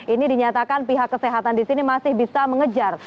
ini dinyatakan pihak kesehatan di sini masih bisa mengejar